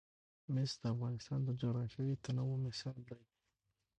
مس د افغانستان د جغرافیوي تنوع مثال دی.